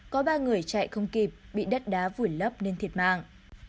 có ba người chạy không kịp bị đất đá vùi lấp nên thiệt mạng